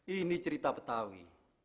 ini cerita betawi